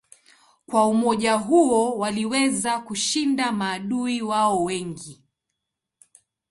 Kwa umoja huo waliweza kushinda maadui wao wengi.